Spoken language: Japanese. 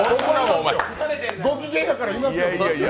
ご機嫌やからいますよ。